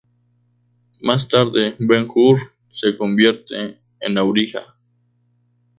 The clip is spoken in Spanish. Más tarde, Ben-Hur se convierte en auriga.